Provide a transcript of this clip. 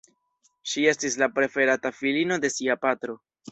Ŝi estis la preferata filino de sia patro.